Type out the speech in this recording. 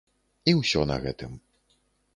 І ўсё на гэтым.